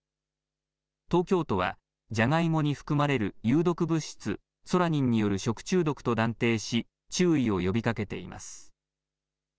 東京都は、ジャガイモに含まれる有毒物質、ソラニンによる食中毒と断定し、注意を呼びかけています。